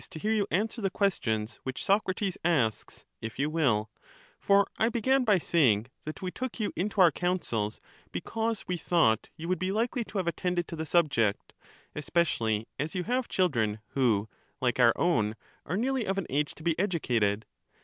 99 to hear you answer the questions which Socrates asks, if you will: for I began by saying that we took you into our counsels because we thought you would be likely to have attended to the subject, especially as you have children who, like our own, are nearly of an age to be educated.